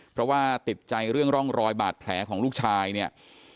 เพราะว่าติดใจเรื่องร่องรอยบาดแผลของลูกชายเนี่ย